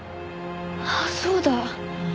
あっそうだ！